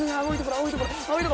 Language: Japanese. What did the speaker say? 青いとこ。